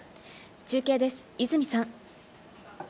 中継です、泉さん。